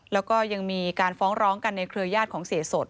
แล้วก็ยังมีการฟ้องร้องกันในเครือญาติของเสียสด